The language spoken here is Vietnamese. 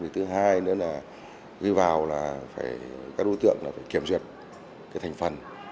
thứ hai nữa là ghi vào là các đối tượng phải kiểm duyệt thành phần